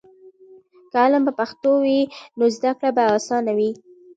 که علم په پښتو وي نو زده کړه به آسانه وي.